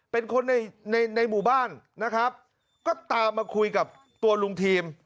เป็นคนในในหมู่บ้านนะครับก็ตามมาคุยกับตัวลุงทีม